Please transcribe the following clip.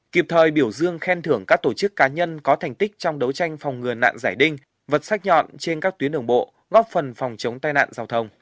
kịp thời biểu dương khen thưởng các tổ chức cá nhân có thành tích trong đấu tranh phòng ngừa nạn giải đinh vật sắc nhọn trên các tuyến đường bộ góp phần phòng chống tai nạn giao thông